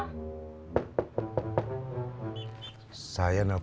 pergi siapkan dedek